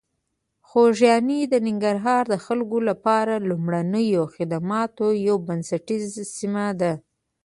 خوږیاڼي د ننګرهار د خلکو لپاره د لومړنیو خدماتو یوه بنسټیزه سیمه ده.